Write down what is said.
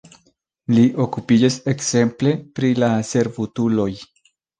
Li okupiĝis ekzemple pri la servutuloj.